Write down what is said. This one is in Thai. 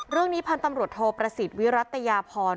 เรื่องนี้พันธ์ตำรวจโทประสิทธิ์วิรัตยาพร